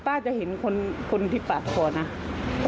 จะเห็นคนที่ปาดคอนะ